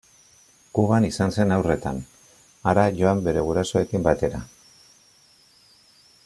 Kuban izan zen haurretan, hara joan bere gurasoekin batera.